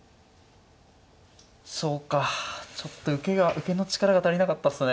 そうかちょっと受けの力が足りなかったっすね。